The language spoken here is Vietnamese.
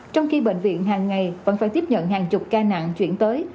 trong khi bệnh viện hàng ngày vẫn phải tiếp nhận hàng chục ca nặng chuyển tới